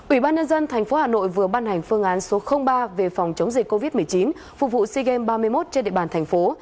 ủy ban nhân dân tp hà nội vừa ban hành phương án số ba về phòng chống dịch covid một mươi chín phục vụ sea games ba mươi một trên địa bàn thành phố